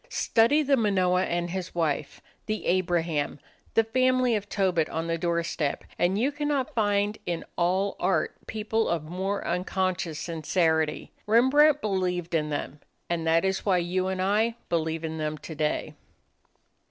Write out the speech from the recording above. Study the Manoah and his wife, the Abraham, the family of Tobit on the doorstep, and you cannot find in all art people of more unconscious sincerity. Rembrandt believed in them. And that is why you and I believe in them today.